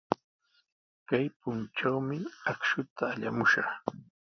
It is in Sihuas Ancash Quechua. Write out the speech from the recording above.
Kay puntrawmi akshuta allamushaq.